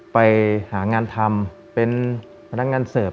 ไปหางานทำเป็นพนักงานเสิร์ฟ